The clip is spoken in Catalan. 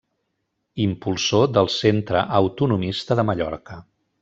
Impulsor del Centre Autonomista de Mallorca.